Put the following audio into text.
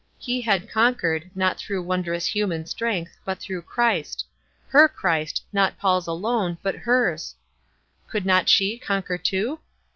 He had conquered, not through wondrous human strength, but through Christ ■— her Christ, not Paul's alone, but hers. Could not she conquer too?